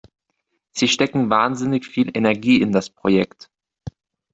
Sie stecken wahnsinnig viel Energie in das Projekt.